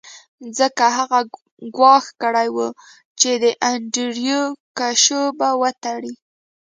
ځکه هغه ګواښ کړی و چې د انډریو کشو به وتړي